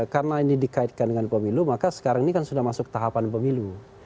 karena ini dikaitkan dengan pemilu maka sekarang ini kan sudah masuk tahapan pemilu